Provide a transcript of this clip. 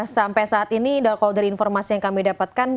sampai saat ini kalau dari informasi yang kami dapatkan